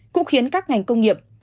cũng khiến các ngành công nghiệp